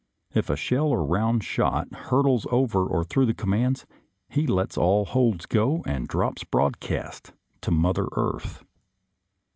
If a shell or round shot hurtles over or through the commands, he lets all holds go and drops broadcast to Mother Earth.